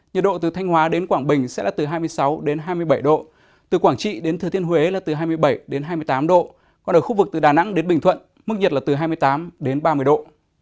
nhiệt độ từ thanh hóa đến quảng bình sẽ là từ hai mươi sáu hai mươi bảy độ từ quảng trị đến thừa thiên huế là từ hai mươi bảy đến hai mươi tám độ còn ở khu vực từ đà nẵng đến bình thuận mức nhiệt là từ hai mươi tám đến ba mươi độ